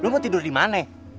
lu mau tidur dimana